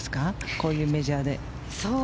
こういうメジャーで。